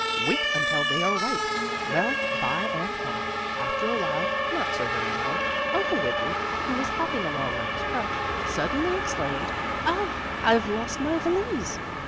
Wait until they are ripe. Well, by and by, after a while, not so very long, Uncle Wiggily, who was hopping along on his crutch, suddenly exclaimed: "Oh, I've lost my valise!